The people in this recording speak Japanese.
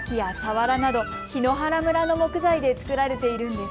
ヒノキやサワラなど檜原村の木材で作られているんです。